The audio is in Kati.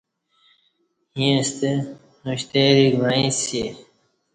ییں ستہ نوشتیریک وعݩیسی